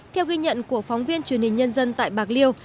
theo ghi nhận của phóng viên truyền hình nhân dân tại bạc liêu